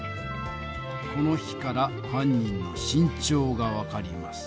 この比から犯人の身長が分かります。